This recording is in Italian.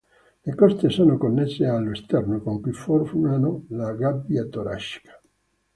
Le coste sono connesse allo sterno, con cui formano la gabbia toracica.